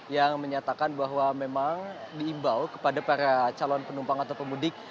yang menyatakan bahwa memang diimbau kepada para calon penumpang atau pemudik